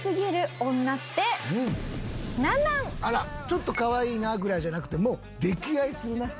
「ちょっとかわいいな」ぐらいじゃなくてもう溺愛するね。